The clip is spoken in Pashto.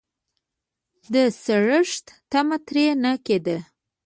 د سړښت تمه ترې نه کېده.